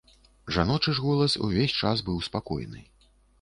Жаночы ж голас увесь час быў спакойны.